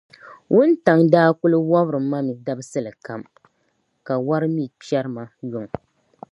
Wuntaŋ’ daa kul wɔbiri ma mi dabisili kam, ka wari mi kpɛri ma yuŋ.